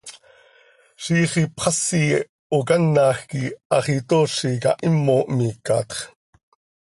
Ziix ipxasi hocanaj quih hax itoozi cah, himo hmiicatx.